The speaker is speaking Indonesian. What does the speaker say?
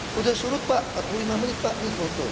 sudah surut pak empat puluh lima menit pak